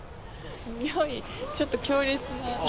匂いちょっと強烈な。